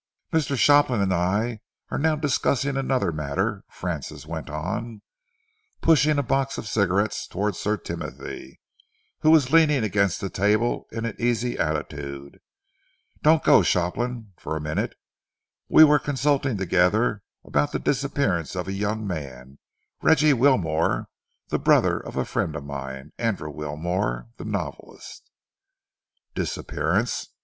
"Mr. Shopland and I are now discussing another matter," Francis went on, pushing a box of cigarettes towards Sir Timothy, who was leaning against the table in an easy attitude. "Don't go, Shopland, for a minute. We were consulting together about the disappearance of a young man, Reggie Wilmore, the brother of a friend of mine Andrew Wilmore, the novelist." "Disappearance?"